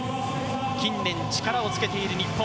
近年、力をつけている日本。